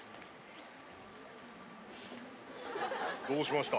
どうしました？